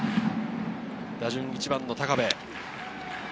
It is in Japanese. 打順１番の高部。